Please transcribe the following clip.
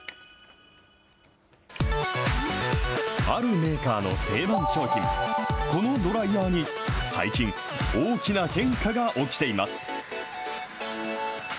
あるメーカーの定番商品、このドライヤーに最近、大きな変化が起きています。